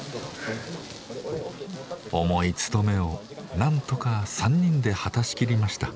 重い務めをなんとか３人で果たしきりました。